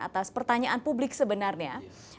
atas pertanyaan publik sebenarnya